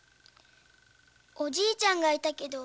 おじいちゃんがいたけど。